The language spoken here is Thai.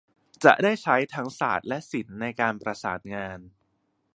จะได้ใช้ทั้งศาสตร์และศิลป์ในการประสานงาน